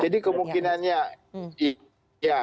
jadi kemungkinannya iya